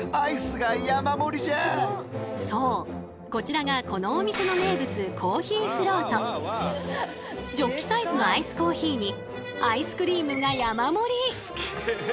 そうこちらがこのお店の名物ジョッキサイズのアイスコーヒーにアイスクリームが山盛り！